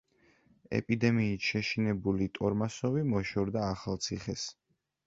ეპიდემიით შეშინებული ტორმასოვი მოშორდა ახალციხეს.